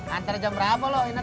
anter jam berapa lo ineke